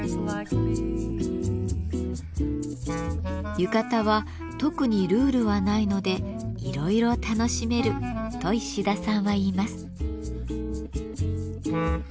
浴衣は特にルールはないのでいろいろ楽しめると石田さんは言います。